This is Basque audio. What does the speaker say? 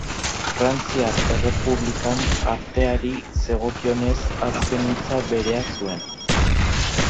Frantziar Errepublikan arteari zegokionez, azken hitza berea zuen.